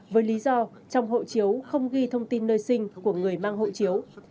với lý do trong hộ chiếu không ghi thông tin nơi sinh của người mang hộ chiếu